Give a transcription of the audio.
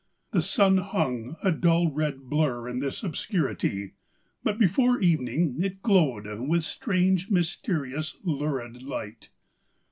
The sun hung, a dull red blur in this obscurity ; but before evening it glowed with strange, mysterious, lurid light.